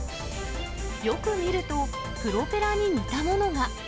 よく見ると、プロペラに似たものが。